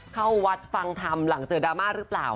เข้าวัดฟังธรรมหลังเจอดราม่าหรือเปล่า